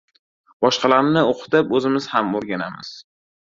Boshqalarni o‘qitib, o‘zimiz ham o‘rganamiz.